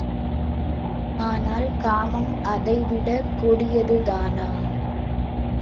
ஆனால், காமம் அதை விடக் கொடியதுதானா?